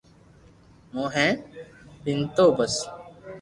مون ھي پينتو بس